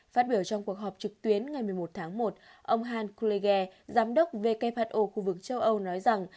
phát biểu trong cuộc họp trực tuyến ngày một mươi một tháng một ông han kulege giám đốc who khu vực châu âu nói rằng